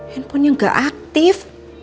handphonenya gak aktif